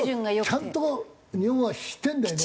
ちゃんと日本はしてるんだよね。